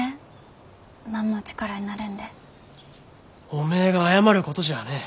おめえが謝ることじゃあねえ。